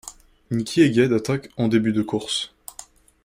Nikki Egyed attaque en début de courses.